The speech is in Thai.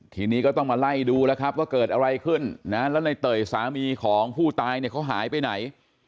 ทีนี้ก็ต้องมาไล่ดูแล้วครับว่าเกิดอะไรขึ้นนะแล้วในเตยสามีของผู้ตายเนี่ยเขาหายไปไหน